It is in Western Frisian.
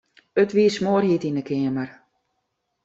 It wie smoarhjit yn 'e keamer.